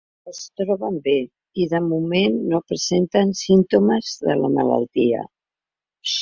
Es troben bé, i de moment no presenten símptomes de la malaltia.